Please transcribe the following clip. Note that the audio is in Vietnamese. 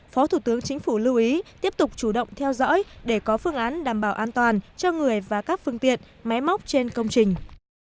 phó thủ tướng chính phủ lưu ý tiếp tục chủ động theo dõi để có phương án đảm bảo an toàn cho người và các phương tiện máy móc trên công trình